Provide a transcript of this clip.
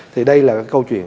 thì đây là câu chuyện